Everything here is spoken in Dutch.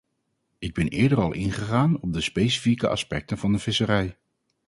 Ik ben eerder al ingegaan op de specifieke aspecten van de visserij.